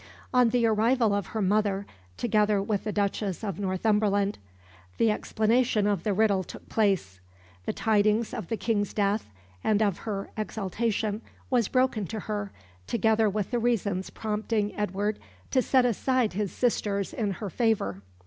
On the arrival of her mother, together with the Duchess of Northumberland, the explanation of the riddle took place. The tidings of the King's death and of her exaltation was broken to her, together with the reasons prompting Edward to set aside his sisters in her favour.